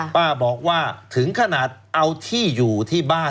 ป้าบอกว่าถึงขนาดเอาที่อยู่ที่บ้าน